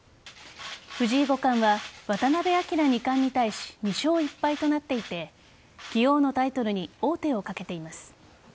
藤井五冠は渡辺明二冠に対し２勝１敗となっていて棋王のタイトルに王手をかけています。